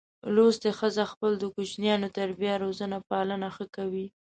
لوستي ښځه خپل د کوچینیانو تربیه روزنه پالنه ښه کوي.